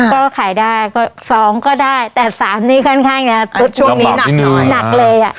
ก็ขายได้ก็๒ก็ได้แต่๓นี้ค่อนข้างจะช่วงนี้หนักเนอะหนักเลยอ่ะ